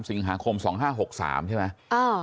สิงหาคม๒๕๖๓ใช่ไหม